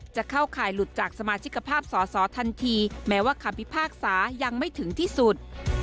จะเข้าข่ายหลุดจากสมาชิกภาพสอสอทันทีแม้ว่าคำพิพากษายังไม่ถึงที่สุด